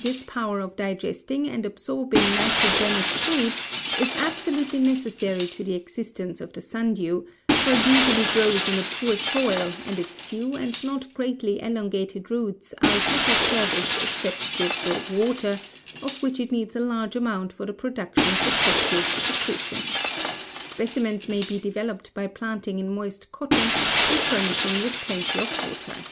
This power of digesting and absorbing nitrogenous food is absolutely necessary to the existence of the sundew, for it usually grows in a poor soil and its few and not greatly elongated roots are of little service except to absorb water, of which it needs a large amount for the production of the copious secretion. Specimens may be developed by planting in moist cotton and furnishing with plenty of water.